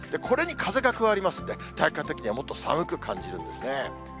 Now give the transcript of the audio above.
これに風が加わりますんで、体感的にはもっと寒く感じるんですね。